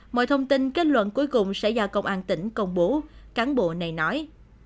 mọi thông tin kết luận cuối cùng sẽ do công an tỉnh công bố cán bộ này nói